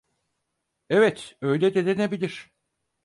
Evet, öyle de denebilir.